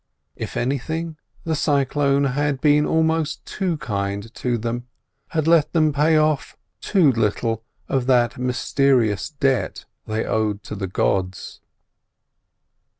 If anything, the cyclone had been almost too kind to them; had let them pay off too little of that mysterious debt they owed to the gods.